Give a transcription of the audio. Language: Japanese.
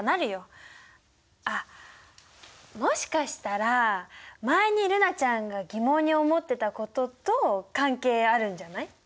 あっもしかしたら前に瑠菜ちゃんが疑問に思ってたことと関係あるんじゃない？